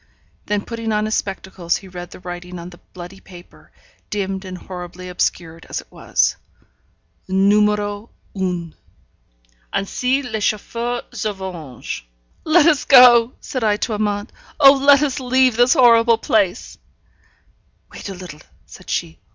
Then putting on his spectacles, he read the writing on the bloody paper, dimmed and horribly obscured as it was: NUMÉRO UN. Ainsi les Chauffeurs se vengent. 'Let us go!' said I to Amante. 'Oh, let us leave this horrible place!' 'Wait a little,' said she.